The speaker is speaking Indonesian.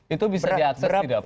itu bisa diakses tidak pak